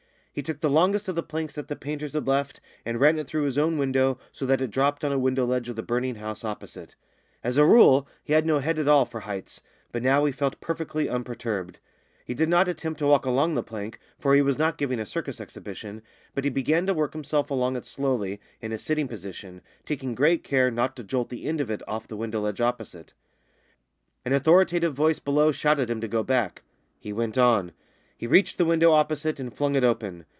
He took the longest of the planks that the painters had left and ran it through his own window so that it dropped on a window ledge of the burning house opposite. As a rule, he had no head at all for heights, but now he felt perfectly unperturbed. He did not attempt to walk along the plank, for he was not giving a circus exhibition, but he began to work himself along it slowly in a sitting position, taking great care not to jolt the end of it off the window ledge opposite. An authoritative voice below shouted to him to go back. He went on. He reached the window opposite and flung it open.